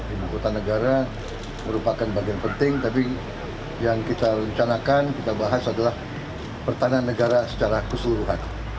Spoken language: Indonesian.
ibu kota negara merupakan bagian penting tapi yang kita rencanakan kita bahas adalah pertahanan negara secara keseluruhan